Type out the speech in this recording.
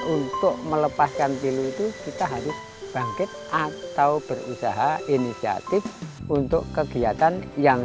untuk melepaskan pilu itu kita harus bangkit atau berusaha inisiatif untuk kegiatan yang